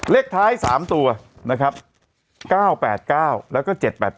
เลขท้าย๓ตัวนะครับ๙๘๙แล้วก็๗๘๘